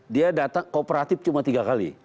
dia datang kooperatif cuma tiga kali